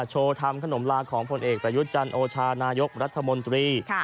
โชว์ทำขนมลาของผลเอกประยุทธ์จันทร์โอชานายกรัฐมนตรี